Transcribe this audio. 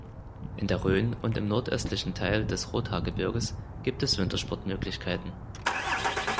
In der Rhön und im nordöstlichen Teil des Rothaargebirges gibt es Wintersportmöglichkeiten.